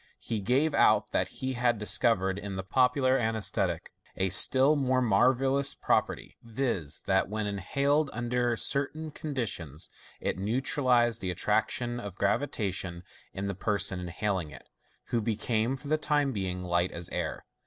He gave out that he had discovered in the popular anaesthetic a still more marvellous property, viz., that when inhaled under certain con ditions, it neutralized the atti action of gravitation in the person inhal ing it, who became, for the time being, light as air.